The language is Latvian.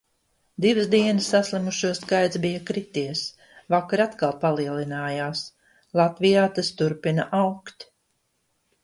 Divas dienas saslimušo skaits bija krities. Vakar atkal palielinājās. Latvijā tas turpina augt.